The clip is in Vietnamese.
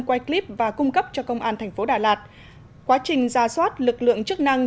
quay clip và cung cấp cho công an tp đà lạt quá trình ra soát lực lượng chức năng